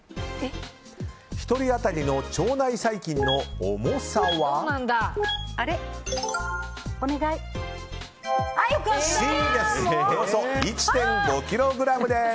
１人当たりの腸内細菌の重さはＣです、およそ１．５ｋｇです。